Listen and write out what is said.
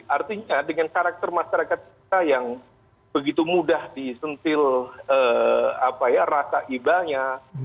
artinya dengan karakter masyarakat kita yang begitu mudah disentil rasa ibanya